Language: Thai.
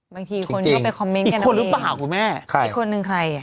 บางทีคนเขาไปคอมเม้นต์กันเอาเอง